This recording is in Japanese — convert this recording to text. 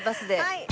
はい。